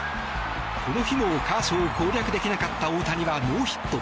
この日もカーショーを攻略できなかった大谷はノーヒット。